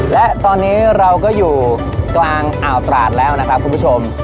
และตอนนี้เราก็อยู่กลางอ่าวตราดแล้วนะครับคุณผู้ชม